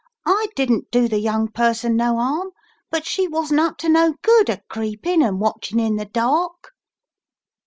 "I didn't do the young person no 'arm, but she wasn't up to no good a creeping and watching in the dark."